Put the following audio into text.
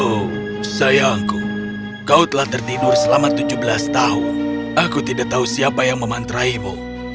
oh sayangku kau telah tertidur selama tujuh belas tahun aku tidak tahu siapa yang memantraimu